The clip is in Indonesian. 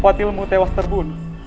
patilung tewas terbunuh